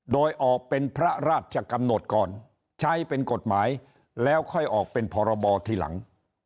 โดยออกเป็นพระราชกำหนดก่อนใช้เป็นกฎหมายแล้วค่อยออกเป็นพรบทีหลัง